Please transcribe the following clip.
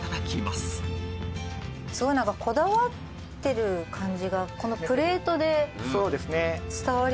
すごいなんかこだわってる感じがこのプレートで伝わりますよね。